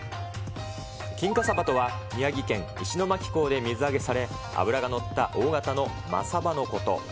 金華サバとは、宮城県石巻港で水揚げされ、脂が乗った大型の真サバのこと。